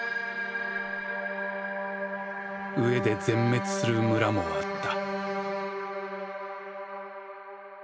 飢えで全滅する村もあった。